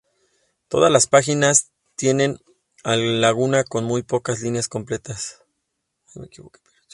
Todas las páginas tienen laguna, con muy pocas líneas completas.